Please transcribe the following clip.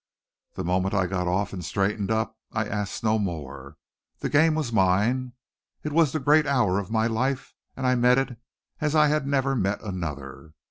The moment I got off and straightened up, I asked no more. The game was mine. It was the great hour of my life and I met it as I had never met another.